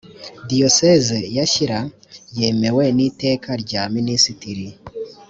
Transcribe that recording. diyoseze ya shyira yemewe n’iteka rya minisitiri